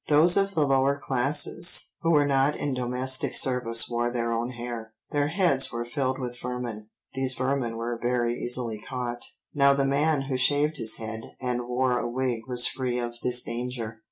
Those of the lower classes who were not in domestic service wore their own hair. Their heads were filled with vermin—these vermin were very easily caught—now the man who shaved his head and wore a wig was free of this danger."